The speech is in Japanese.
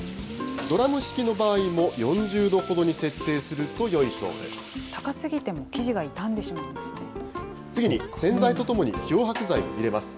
ドラム式の場合も４０度ほどに設定する高すぎても生地が傷んでしまいますね。